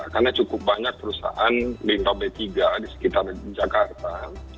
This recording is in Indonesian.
karena cukup banyak perusahaan bintang b tiga di sekitar jakarta